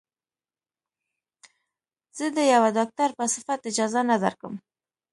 زه د يوه ډاکتر په صفت اجازه نه درکم.